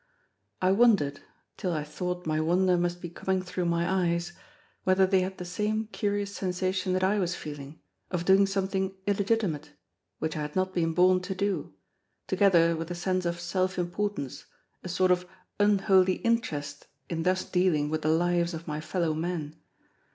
I wondered, till I thought my wonder must be coming through my eyes, whether they had the same curious sensation that I was feeling, of doing something illegitimate, which I had not been born to do, together with a sense of self importance, a sort of unholy interest in thus dealing with the lives of my fellow men.